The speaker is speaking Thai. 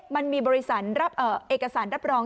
มันมีบริษัทรับเอกสารรับรอง